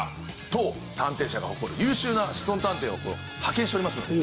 当探偵社が誇る優秀なシソン探偵を派遣しておりますので。